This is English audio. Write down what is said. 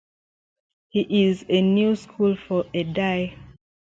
He is a new school for a Die.